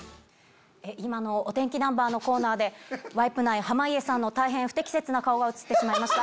今のお天気ナンバーのコーナーでワイプ内濱家さんの大変不適切な顔が映ってしまいました。